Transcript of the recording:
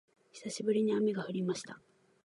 久しぶりに雨が降りました